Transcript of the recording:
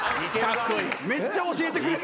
・めっちゃ教えてくれる。